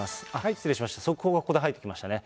失礼しました、速報がここで入ってきましたね。